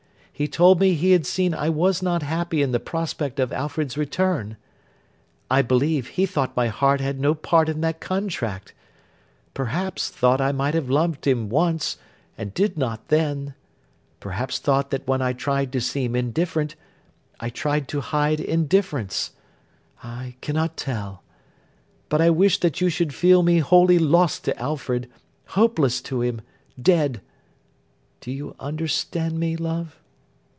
He told me he had seen I was not happy in the prospect of Alfred's return. I believe he thought my heart had no part in that contract; perhaps thought I might have loved him once, and did not then; perhaps thought that when I tried to seem indifferent, I tried to hide indifference—I cannot tell. But I wished that you should feel me wholly lost to Alfred—hopeless to him—dead. Do you understand me, love?